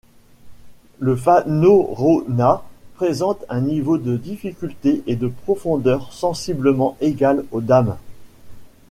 Le fanorona présente un niveau de difficulté et de profondeur sensiblement égal aux dames.